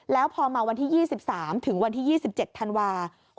แล้วพอมาวันที่๒๓ถึงวันที่๒๗ธันวาคม